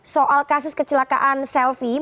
soal kasus kecelakaan selfie